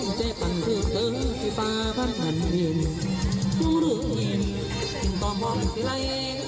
มีแค่ไข้เพียงปันไม่เจอพันหาอิน